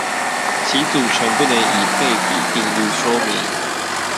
其組成不能以倍比定律說明？